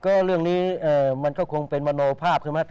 ก็เรื่องนี้มันก็คงเป็นมโนภาพใช่ไหม